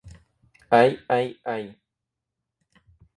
Ай, ай, ай!